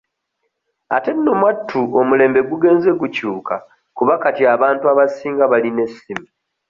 Ate nno mwattu omulembe gugenze gukyuka kuba kati abantu abasinga balina essimu.